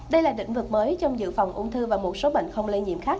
đây là lĩnh vực mới trong dự phòng ung thư và một số bệnh không lây nhiễm khác